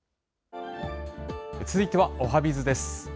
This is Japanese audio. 続いてはおはＢｉｚです。